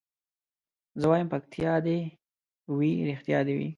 زه وايم پکتيا دي وي رښتيا دي وي